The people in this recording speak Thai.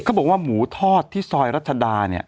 เขาบอกว่าหมูทอดที่ซอยรัฐดา